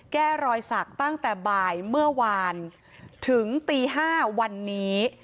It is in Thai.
แก้รอยสักตั้งแต่บ่ายเมื่อวานถึงตี๕วันนี้